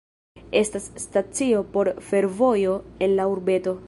Estas stacio por fervojo en la urbeto.